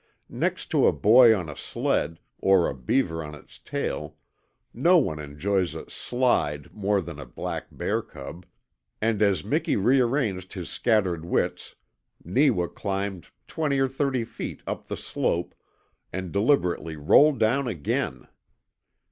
Next to a boy on a sled, or a beaver on its tail, no one enjoys a "slide" more than a black bear cub, and as Miki rearranged his scattered wits Neewa climbed twenty or thirty feet up the slope and deliberately rolled down again!